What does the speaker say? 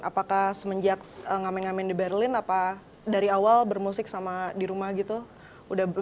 apakah semenjak ngamen ngamen di berlin apa dari awal bermusik sama di rumah gitu